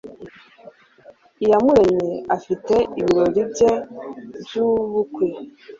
iyamuremye afite ibirori bye by'ubukwe